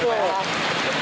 oh gitu ya